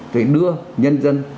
để đưa nhân dân